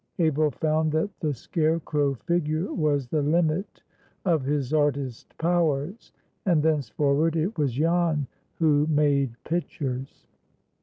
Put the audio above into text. Abel found that the scarecrow figure was the limit of his artist powers, and thenceforward it was Jan who "made pitchers."